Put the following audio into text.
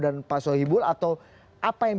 dan pak sohibul atau apa yang